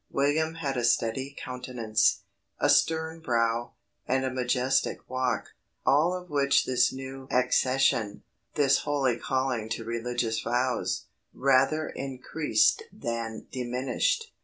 William had a steady countenance, a stern brow, and a majestic walk; all of which this new accession, this holy calling to religious vows, rather increased than diminished.